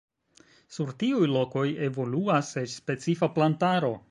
Sur tiuj lokoj evoluas eĉ specifa plantaro.